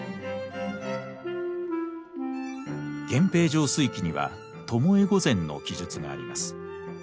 「源平盛衰記」には巴御前の記述があります。